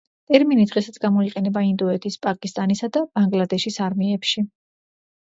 ტერმინი დღესაც გამოიყენება ინდოეთის, პაკისტანისა და ბანგლადეშის არმიებში.